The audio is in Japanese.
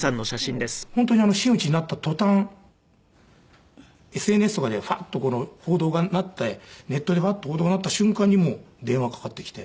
でも本当に真打ちになった途端ＳＮＳとかでファッと報道がなってネットでバッと報道がなった瞬間にもう電話かかってきて。